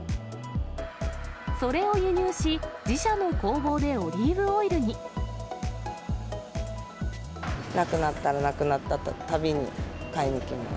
それを輸入し、なくなったら、なくなったたびに買いに来ます。